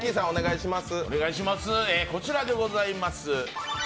こちらでございます。